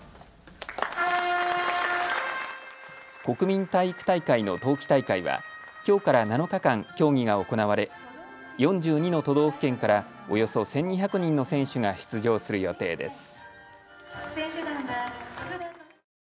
国民体育大会の冬季大会はきょうから７日間、競技が行われ４２の都道府県からおよそ１２００人の選手が出場する予定です。